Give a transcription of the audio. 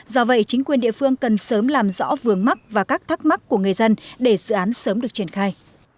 do vậy chính quyền địa phương cần sớm làm rõ vườn mắt và các thắc mắc của người dân để dự án sớm được triển khai